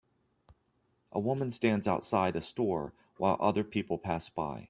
A woman stands outside a store while other people pass by.